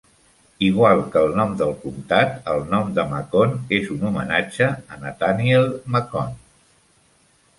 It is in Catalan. Igual que el nom del comptat, el nom de Macon és un homenatge a Nathaniel Macon.